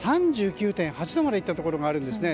３９．８度までいったところがあるんですね。